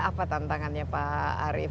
apa tantangannya pak arief